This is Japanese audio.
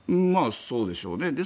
まあ、そうでしょうね。